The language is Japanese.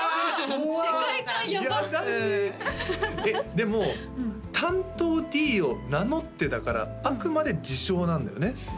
怖っ世界観やばでも「担当Ｄを名乗って」だからあくまで自称なんだよね？